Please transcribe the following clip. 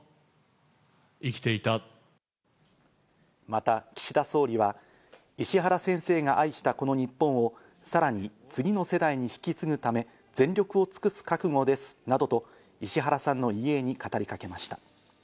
また岸田総理は、石原先生が愛したこの日本を、さらに次の世代に引き継ぐため全力を尽くす覚悟ですなどと、石原さんの遺影に語りかけました。